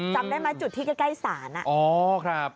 จำได้ไหมจุดที่ใกล้สานอ่ะอ๋อครับ